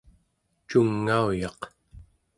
cungauyaq